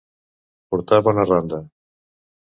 Portar bona randa.